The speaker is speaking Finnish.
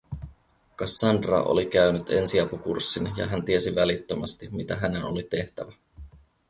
Cassandra oli käynyt ensiapukurssin ja hän tiesi välittömästi, mitä hänen oli tehtävä.